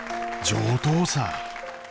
上等さー。